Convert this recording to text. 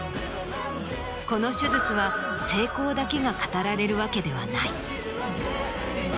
この手術は成功だけが語られるわけではない。